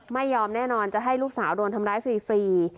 ไม่ยอมแน่นอนจะให้ลูกสาวโดนทำร้ายฟรี